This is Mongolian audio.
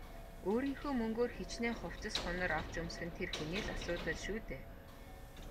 Өөрийнхөө мөнгөөр хэчнээн хувцас хунар авч өмсөх нь тэр хүний л асуудал шүү дээ.